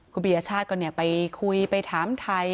คุณปียชาติก็ไปคุยไปถามไทย